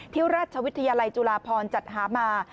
ราชวิทยาลัยจุฬาพรจัดหามา